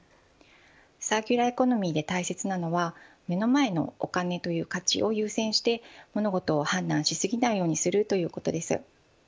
サーキュラーエコノミーで大切なのは目の前のお金という価値を優先して物事を判断し過ぎないようにするということです。